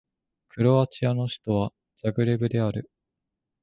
クロアチアの首都はザグレブである